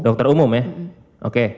dokter umum ya oke